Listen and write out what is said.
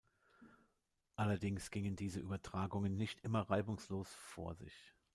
Allerdings gingen diese Übertragungen nicht immer reibungslos vor sich.